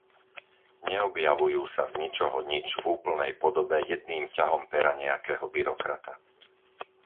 Neobjavujú sa z ničoho nič v úplnej podobe jedným ťahom pera nejakého byrokrata.